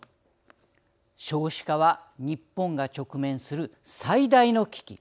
少子化は日本が直面する最大の危機。